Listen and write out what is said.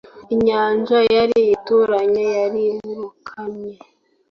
inyanja yari ituranye yarirukanye